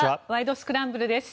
スクランブル」です。